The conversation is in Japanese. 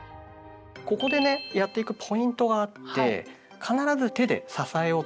ここでねやっていくポイントがあって必ず手で支えを作って下さい。